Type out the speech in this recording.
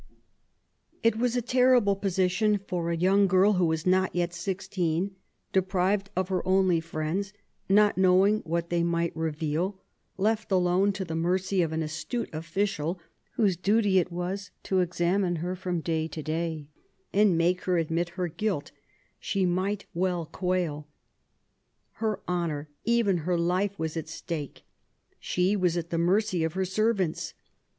It was a terrible position for a young girl who was not yet sixteen. Deprived of her only friends, not knowing what they might reveal, left alone to the mercy of an astute official, whose duty it was to examine her from day to day, and make her admit her guilt, she well might quail. Her honour, even her life, was aj stake. She was at the mercy of her servants.